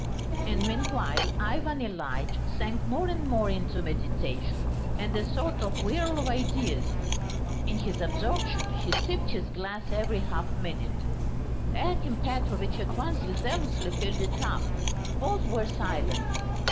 And meanwhile Ivan Ilyitch sank more and more into meditation and a sort of whirl of ideas; in his absorption he sipped his glass every half minute. Akim Petrovitch at once zealously filled it up. Both were silent.